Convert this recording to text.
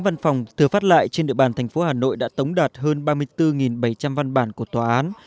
văn phòng thừa phát lại trên địa bàn thành phố hà nội đã tống đạt hơn ba mươi bốn bảy trăm linh văn bản của tòa án